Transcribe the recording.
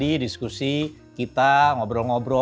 direktur eksekutif kepala departemen pengembangan umkm dan komunikasi